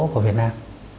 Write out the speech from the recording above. của việt nam